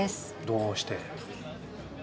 どうして？